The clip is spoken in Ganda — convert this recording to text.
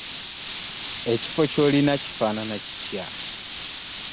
Ekifo ky'olina kifaanana kitya?